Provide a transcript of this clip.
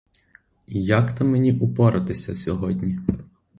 І як то мені упоратися сьогодні?.